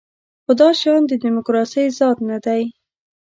خو دا شیان د دیموکراسۍ ذات نه دی.